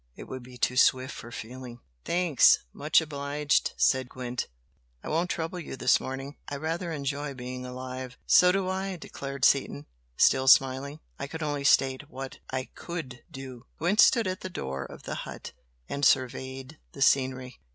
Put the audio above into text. It would be too swift for feeling." "Thanks! Much obliged!" said Gwent "I won't trouble you this morning! I rather enjoy being alive." "So do I!" declared Seaton, still smiling "I only state what I COULD do." Gwent stood at the door of the hut and surveyed the scenery.